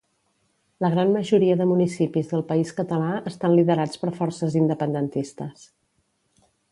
La gran majoria de municipis del país català estan liderats per forces independentistes.